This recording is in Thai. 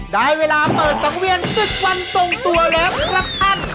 ได้เวลาเปิดสังเวียน๑๐วันส่งตัวและประพันธ์